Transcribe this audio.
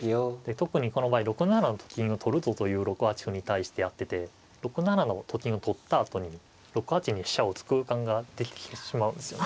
特にこの場合６七のと金を取るぞという６八歩に対してやってて６七のと金を取ったあとに６八に飛車を打つ空間ができてしまうんですよね。